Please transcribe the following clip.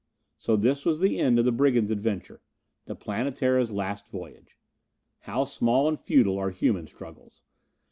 So this was the end of the brigands' adventure! The Planetara's last voyage! How small and futile are human struggles!